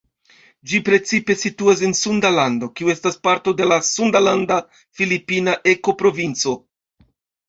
Ĝi precipe situas en Sunda Lando, kiu estas parto de la sundalanda-filipina ekoprovinco.